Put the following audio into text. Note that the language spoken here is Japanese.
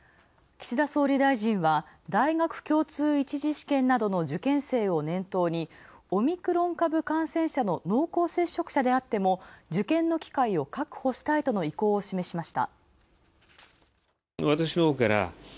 岸田総理大臣は大学共通一次試験などの受験生を念頭に、オミクロン株感染者の濃厚接触者であっても受験の機会を確保したいとの意向を示しました。